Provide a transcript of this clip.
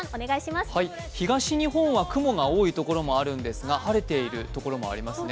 東日本は雲が多いところもあるんですが晴れているところもありますね。